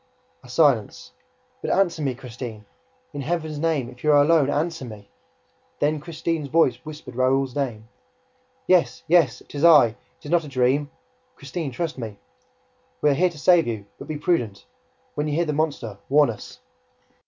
A silence. "But answer me, Christine! ... In Heaven's name, if you are alone, answer me!" Then Christine's voice whispered Raoul's name. "Yes! Yes! It is I! It is not a dream! ... Christine, trust me! ... We are here to save you ... but be prudent! When you hear the monster, warn us!"